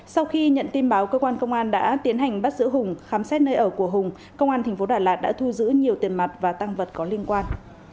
sau khi nhận tin báo cơ quan công an đã tiến hành bắt giữ hùng khám xét nơi ở của hùng công an tp đà lạt đã thu giữ nhiều tiền mặt và tăng vật có liên quan